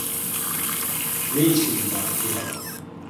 Ne işin var burada?